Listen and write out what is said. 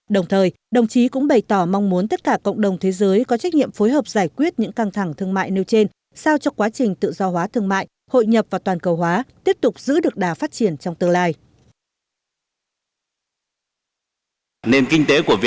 đồng thời đồng chí cũng bày tỏ mong muốn tất cả cộng đồng thế giới có trách nhiệm phối hợp giải quyết những căng thẳng thương mại nêu trên sao cho quá trình tự do hóa thương mại hội nhập và toàn cầu hóa tiếp tục giữ được đà phát triển trong tương lai